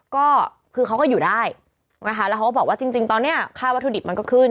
ก็คือเขาก็อยู่ได้นะคะแล้วเขาก็บอกว่าจริงตอนนี้ค่าวัตถุดิบมันก็ขึ้น